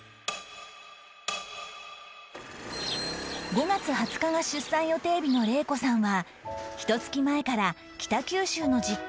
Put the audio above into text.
５月２０日が出産予定日の令子さんはひと月前から北九州の実家へ里帰り